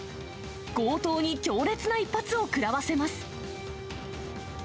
強盗に強烈な一発を食らわせます。